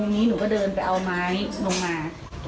ว่ายังมิงผมก็เดินไปเอาไม้ลงมา